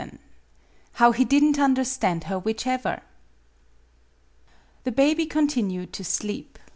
VII HOW HE DID N'T UNDERSTAND HER WHICHEVER! THE baby continued to sleep.